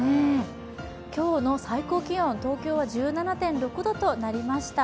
今日の最高気温、東京は１７．６度となりました。